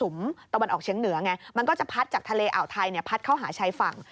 มันก็จะพัดจากทะเลอ่าวไทยพัดเข้าหาชายฝั่ง